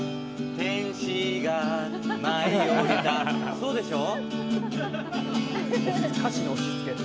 そうでしょう？